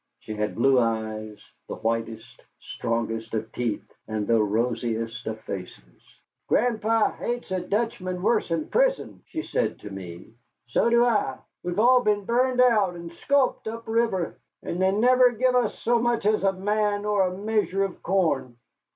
She had blue eyes, the whitest, strongest of teeth, and the rosiest of faces. "Gran'pa hates a Dutchman wuss'n pizen," she said to me. "So do I. We've all been burned out and sculped up river and they never give us so much as a man or a measure of corn."